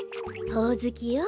ほおずきよ。